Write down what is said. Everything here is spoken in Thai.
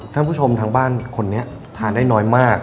ท่านผู้ชมทางบ้านคนนี้ทานได้น้อยมาก